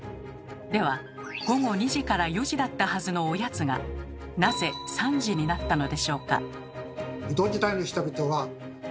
では午後２時から４時だったはずのおやつがなぜ３時になったのでしょうか？